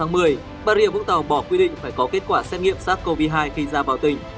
vào ngày một mươi sáu tháng một mươi bà rìa vũng tàu bỏ quy định phải có kết quả xét nghiệm sars cov hai khi ra vào tỉnh